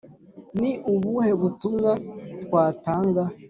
ni ubuhe butumwa twatanga